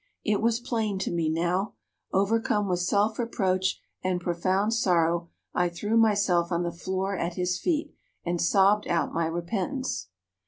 "It was plain to me now. Overcome with self reproach and profound sorrow, I threw myself on the floor at his feet, and sobbed out my repentance.